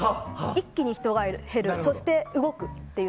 一気に人が減る、そして動くと。